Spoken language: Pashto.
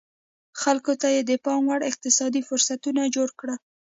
خلکو ته یې د پام وړ اقتصادي فرصتونه جوړ کړل